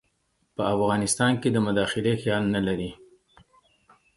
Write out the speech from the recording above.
په افغانستان کې د مداخلې خیال نه لري.